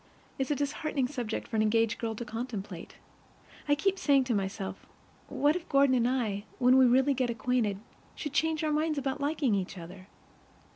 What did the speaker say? It's a disheartening subject for an engaged girl to contemplate. I keep saying to myself, what if Gordon and I, when we really get acquainted, should change our minds about liking each other?